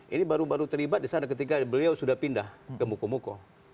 ini baru baru terlibat di sana ketika beliau sudah pindah ke mukomuko